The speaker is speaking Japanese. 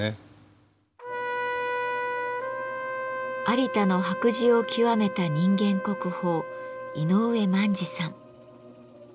有田の白磁を極めた人間国宝井上萬二さん。